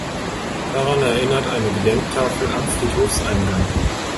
Daran erinnert eine Gedenktafel am Friedhofseingang.